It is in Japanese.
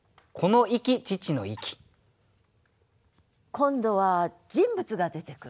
今度は人物が出てくる。